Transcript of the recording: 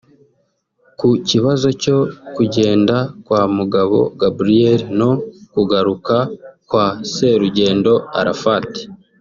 ku kibazo cyo kugenda kwa Mugabo Gabriel no kugaruka kwa Serugendo Arafat